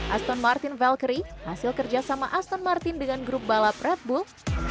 aston martin valkyrie hasil kerja sama aston martin dengan grup balap red bull